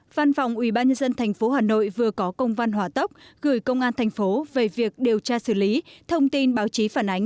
văn phòng ubnd tp hà nội vừa có công văn hỏa tốc gửi công an thành phố về việc điều tra xử lý thông tin báo chí phản ánh